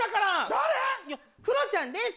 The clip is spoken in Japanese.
誰⁉クロちゃんです！